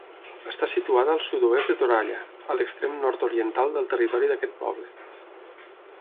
Està situada al sud-oest de Toralla, a l'extrem nord-oriental del territori d'aquest poble.